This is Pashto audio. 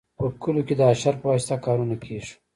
په کلیو کې د اشر په واسطه کارونه کیږي.